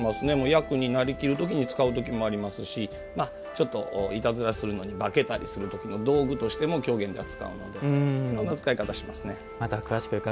役になりきる時に使う時もありますしちょっと、いたずらするのに化けたりするのに道具としても狂言では使うのでいろんな使い方しますね。